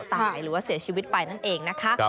หรือว่าเสียชีวิตไปนั่นเองนะคะ